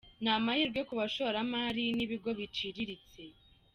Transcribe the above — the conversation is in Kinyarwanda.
Ni amahirwe ku bashoramari n’ibigo biciriritse.